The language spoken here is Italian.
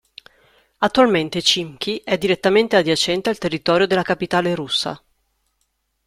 Attualmente Chimki è direttamente adiacente al territorio della capitale russa.